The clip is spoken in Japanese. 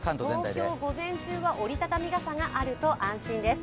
東京は午前中は折り畳み傘があると安心です。